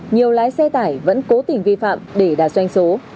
nhiều lái xe tải vẫn cố tình vi phạm để đạt doanh số